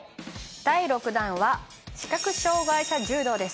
第６弾は視覚障害者柔道です。